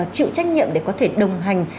chịu trách nhiệm để có thể đồng hành